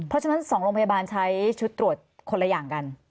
เพราะฉะนั้น๒โรงพยาบาลใช้ชุดตรวจคนละอย่างกัน